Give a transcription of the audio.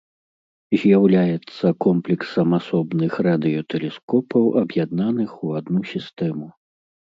З'яўляецца комплексам асобных радыётэлескопаў аб'яднаных у адну сістэму.